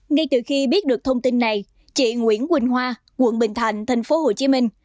ngay từ khi biết được thông tin này chị nguyễn quỳnh hoa quận bình thạnh thành phố hồ chí minh